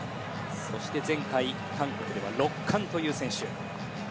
そして前回、韓国では６冠という選手。